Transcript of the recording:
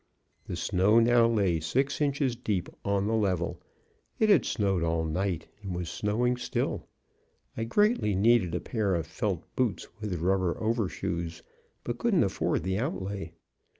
The snow now lay six inches deep on the level; it had snowed all night and was snowing still. I greatly needed a pair of felt boots with rubber overshoes, but couldn't afford the outlay.